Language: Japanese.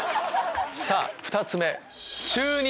さぁ２つ目。